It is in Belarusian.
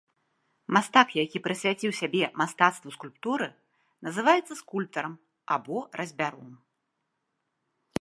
Мастак, які прысвяціў сябе мастацтву скульптуры, называецца скульптарам або разьбяром.